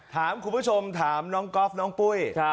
ถามคุณผู้ชมถามน้องก๊อฟน้องปุ้ย